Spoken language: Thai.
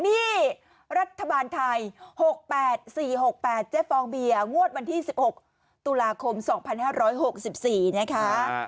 นี่รัฐบาลไทย๖๘๔๖๘เจ๊ฟองเบียร์งวดวันที่๑๖ตุลาคม๒๕๖๔นะคะ